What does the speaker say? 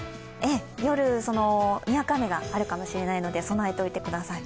夜、にわか雨があるかもしれないので備えておいてください。